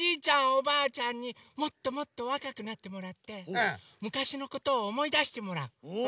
おばあちゃんにもっともっとわかくなってもらってむかしのことをおもいだしてもらう。